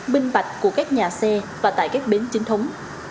binh bạch của các nhà xe và tại các bến chính thống